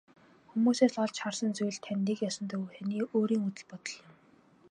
Хүмүүсээс олж харсан зүйл тань нэг ёсондоо таны өөрийн үзэл бодол юм.